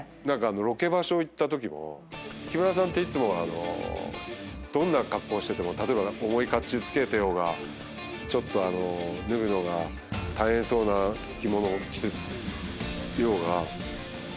ロケ場所行ったときも木村さんっていつもどんな格好してても例えば重い甲冑着けてようがちょっと脱ぐのが大変そうな着物を着てようが。